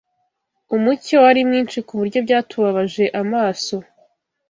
Umucyo wari mwinshi kuburyo byatubabaje amaso.